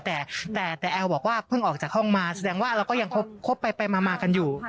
แต่แต่แอลบอกว่าเพิ่งออกจากห้องมาแสดงว่าเราก็ยังคบไปมากันอยู่